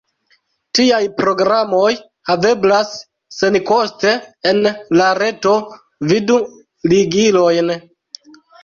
Tiaj programoj haveblas senkoste en la reto, vidu ligilojn.